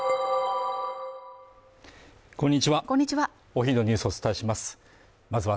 こんにちは